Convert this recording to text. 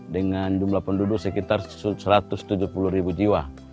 dengan jumlah penduduk sekitar satu ratus tujuh puluh ribu jiwa